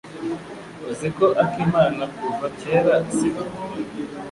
Uziko akimana kuva kera, sibyo?